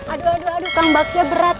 aduh aduh aduh kang bagja berat